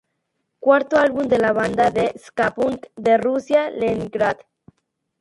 Cuarto álbum de la banda de ska punk de Rusia, Leningrad.